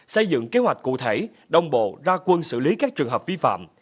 xây dựng kế hoạch cụ thể đồng bộ ra quân xử lý các trường hợp vi phạm